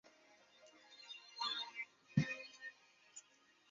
布赖恩茨是位于美国加利福尼亚州埃尔多拉多县的一个非建制地区。